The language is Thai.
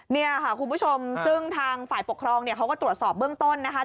เนี่ยค่ะคุณผู้ชมซึ่งทางฝ่ายปกครองเนี่ยเขาก็ตรวจสอบเบื้องต้นนะคะ